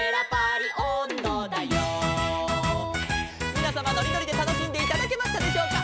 「みなさまのりのりでたのしんでいただけましたでしょうか」